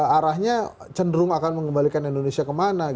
arahnya cenderung akan mengembalikan indonesia kemana